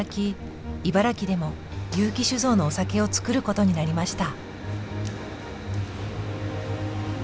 茨城でも結城酒造のお酒を造ることになりました。